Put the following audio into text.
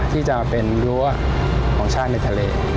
ที่จะเป็นรั้วของชาติในทะเล